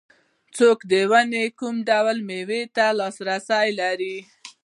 څوک د ونې کوم ډول مېوې ته لاسرسی لري